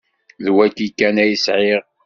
D wayi kan ay sεiɣ.